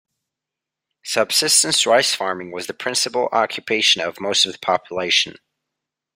Subsistence rice farming was the principal occupation of most of the population.